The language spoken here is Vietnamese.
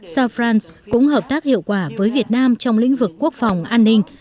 sao france cũng hợp tác hiệu quả với việt nam trong lĩnh vực quốc phòng an ninh